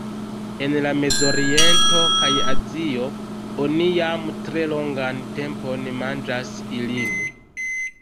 En la Mezoriento kaj Azio oni jam tre longan tempon manĝas ilin.